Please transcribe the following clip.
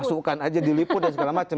pasukan aja diliput dan segala macam